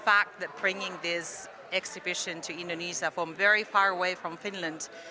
fakta bahwa membawa pembukaan ini ke indonesia dari jauh jauh dari finlandia